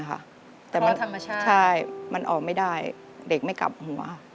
แต่มันธรรมชาติใช่มันออกไม่ได้เด็กไม่กลับหัว